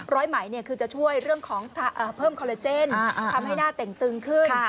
ไหมคือจะช่วยเรื่องของเพิ่มคอลลาเจนทำให้หน้าเต่งตึงขึ้น